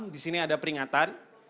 di sini ada peringatan